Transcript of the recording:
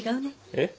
えっ？